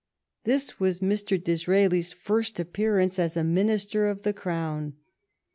This was Mr, Disraeli's first appearance as a Minister of the Crown.